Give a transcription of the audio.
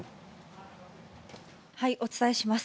お伝えします。